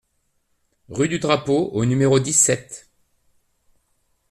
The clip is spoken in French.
Rue du Drapeau au numéro dix-sept